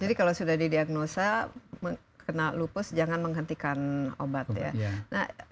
jadi kalau sudah didiagnosa kena lupus jangan menghentikan obat ya